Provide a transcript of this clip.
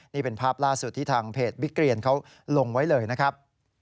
นี่เป็นภาพล่าสุดที่ทางเพจบิ๊กเรียนเขาลงไว้เลยนะครับ